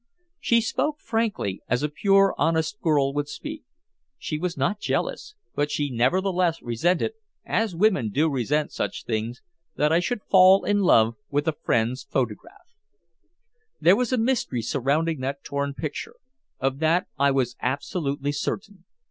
She spoke frankly, as a pure honest girl would speak. She was not jealous, but she nevertheless resented as women do resent such things that I should fall in love with a friend's photograph. There was a mystery surrounding that torn picture; of that I was absolutely certain.